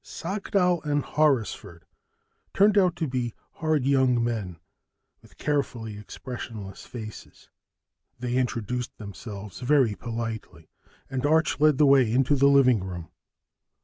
Sagdahl and Horrisford turned out to be hard young men with carefully expressionless faces. They introduced themselves very politely, and Arch led the way into the living room.